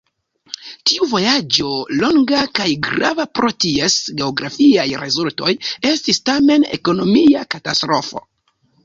Tiu vojaĝo, longa kaj grava pro ties geografiaj rezultoj, estis tamen ekonomia katastrofo.